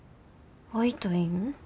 会いたいん？